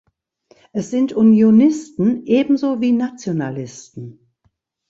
Es sind Unionisten ebenso wie Nationalisten.